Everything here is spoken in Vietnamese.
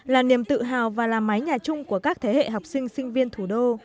là niềm tự hào và là mái nhà chung của các thế hệ học sinh sinh viên thủ đô